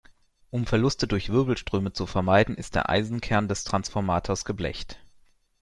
Um Verluste durch Wirbelströme zu vermeiden, ist der Eisenkern des Transformators geblecht.